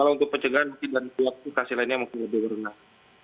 kalau untuk penjagaan dan kebakaran lainnya mungkin lebih berhubungan